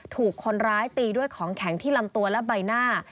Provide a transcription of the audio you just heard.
ถูกคนร้ายตีด้วยของแข็งที่ลำตัวและใบหน้า